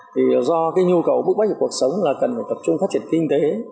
thì do cái nhu cầu bức bách của cuộc sống là cần phải tập trung phát triển kinh tế